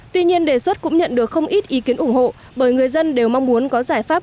tuy nhiên đề xuất cũng nhận được không ít ý kiến ủng hộ bởi người dân đều mong muốn có giải pháp